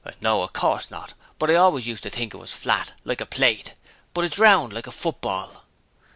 'No, of course not, but I always used to think it was flat like a plate, but it's round like a football.'